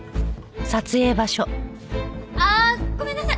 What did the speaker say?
ああごめんなさい！